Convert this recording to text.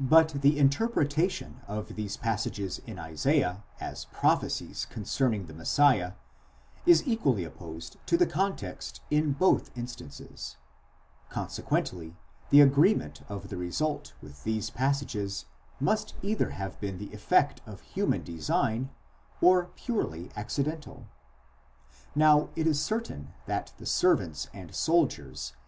But the interpretation of these passages in Isaiah as prophecies concerning the Messiah is equally opposed to the context in both instances : 10 consequently the agreement of the result with these passages must either have been the effect of human design, or purely accidental. Now it is certain that the servants and soldiers.